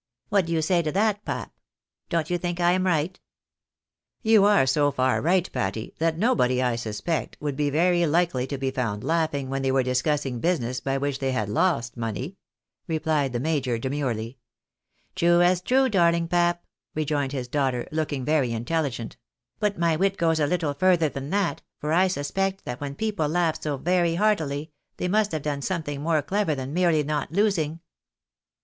What do you say to that, pap ? Don't you think I am right ?"" You are so far right, Patty, that nobody, I suspect, would be very likely to be found laughing when they were discussing business by which they had lost money," replied the major, demurely. " True as true, darling pap !" rejoined his daughter, looking very intelligent ;" but my wit goes a little further than that, for 1 suspect that when people laugh so very heartily, thej must have done something more clever than merely not losing."